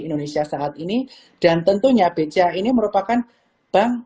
indonesia saat ini dan tentunya bca ini merupakan bank